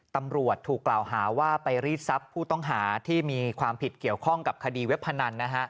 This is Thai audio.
ตำรวจถูกกล่าวหาว่าไปรีดทรัพย์ผู้ต้องหาที่มีความผิดเกี่ยวข้องกับคดีเว็บพนัน